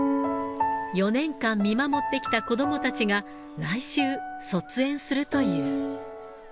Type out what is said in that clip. ４年間見守ってきた子どもたちが来週、卒園するという。